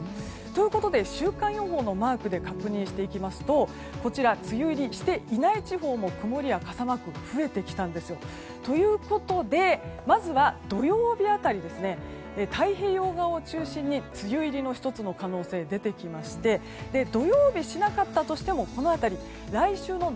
ということで週間予報をマークで確認していきますと梅雨入りしていない地方も曇りや傘マークが増えてきたんです。ということで、まずは土曜日辺り太平洋側を中心に梅雨入りの可能性が出てきまして今日のニュース更に続けます。